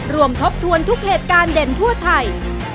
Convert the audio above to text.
ทบทวนทุกเหตุการณ์เด่นทั่วไทย